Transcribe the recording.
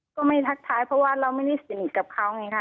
ก็ไม่ทักท้ายเพราะว่าเราไม่ได้สนิทกับเขาไงค่ะ